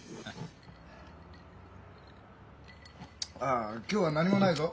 あ今日は何もないぞ。